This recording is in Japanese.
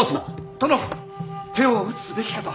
殿手を打つべきかと。